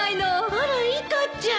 あらイカちゃん